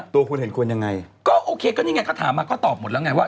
ตัวคุณเห็นควรยังไงก็โอเคก็นี่ไงก็ถามมาก็ตอบหมดแล้วไงว่า